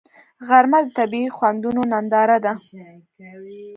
غرمه د طبیعي خوندونو ننداره ده